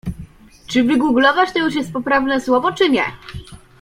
Czy "wygooglować" to już jest poprawne słowo czy nie?